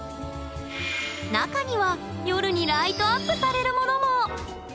中には夜にライトアップされるものも！